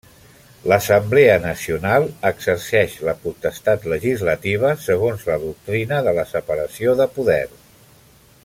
L'Assemblea Nacional exerceix la potestat legislativa segons la doctrina de la separació de poders.